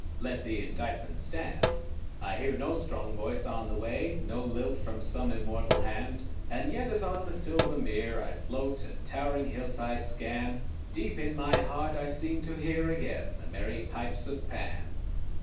Let the indictment stand. I hear no strong voice on the way, No lilt from some immortal hand; And yet as on the silver mere I float, and towering hillsides scan, Deep in my heart I seem to hear Again the merry pipes of Pan.